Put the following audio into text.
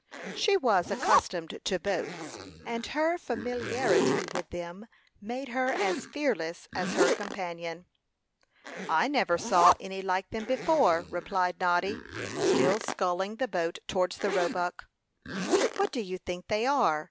She was accustomed to boats, and her familiarity with them made her as fearless as her companion. "I never saw any like them before," replied Noddy, still sculling the boat towards the Roebuck. "What do you think they are?"